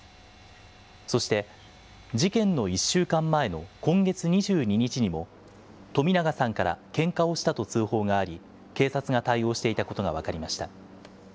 そして、事件の１週間前の今月２２日にも、冨永さんからけんかをしたと通報があり、警察が対応していたことが分かりました。